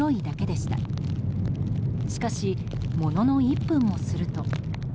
しかし、ものの１分もすると。